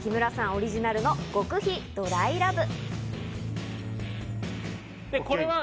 オリジナルの極秘ドライラブ。